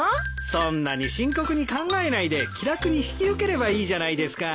そんなに深刻に考えないで気楽に引き受ければいいじゃないですか。